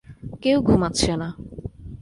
কেউ ঘুমাচ্ছে না।